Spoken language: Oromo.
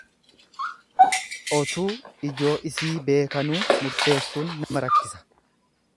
Otuu ijoo isii beekanuu murteessuun nama rakkisa.